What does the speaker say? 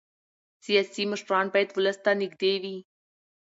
سیاسي مشران باید ولس ته نږدې وي